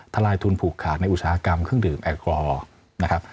ลายทุนผูกขาดในอุตสาหกรรมเครื่องดื่มแอลกอฮอล์นะครับ